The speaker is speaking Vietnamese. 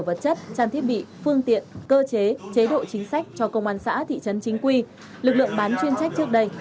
phân tiện cơ chế chế độ chính sách cho công an xã thị trấn chính quy lực lượng bán chuyên trách trước đây